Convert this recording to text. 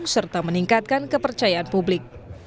serta meningkatkan kepercayaan publik